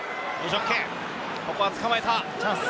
ここはつかまえた。